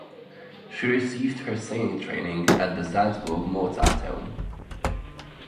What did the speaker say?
She received her singing training at the Salzburg Mozarteum.